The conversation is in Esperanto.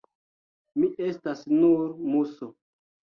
Mi estas nur muso.